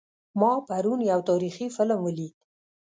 ما پرون یو تاریخي فلم ولید